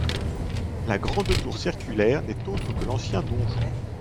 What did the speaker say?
La grande tour circulaire n'est autre que l'ancien donjon.